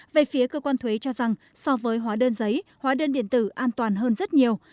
về phía cơ quan thuế cho rằng so với hóa đơn giấy hóa đơn điện tử an toàn hơn rất nhiều